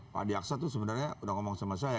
pak diaksa itu sebenarnya udah ngomong sama saya